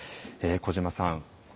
小島さん